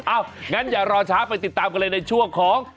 งั้นอย่ารอช้าไปติดตามกันเลยในช่วงของ